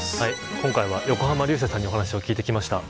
今回は横浜流星さんにお話を聞いてきました。